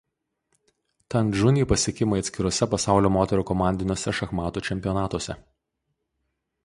Tan Džunji pasiekimai atskirose Pasaulio moterų komandiniuose šachmatų čempionatuose.